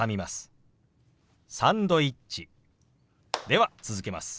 では続けます。